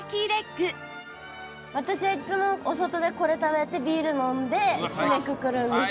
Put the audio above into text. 私はいつもお外でこれ食べてビール飲んで締めくくるんです。